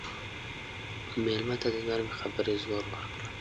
مېلمه ته د نرمې خبرې زور ورکړه.